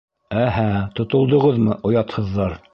Әһә, тотолдоғоҙмо, оятһыҙҙар?!